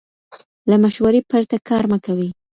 له مشورې پرته کار مه کوئ.